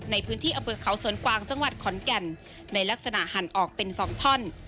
ในพื้นที่อำเภอเขาสวนกวางจังหวัดขอนแก่นในลักษณะหั่นออกเป็น๒ท่อน